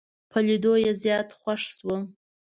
په لیدو یې زیات خوښ شوم.